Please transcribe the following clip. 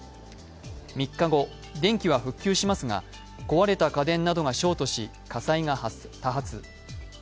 ３日後、電気は復旧しますが壊れた家電などがショートし火災が多発。